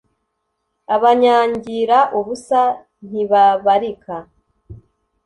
abanyangira ubusa ntibabarika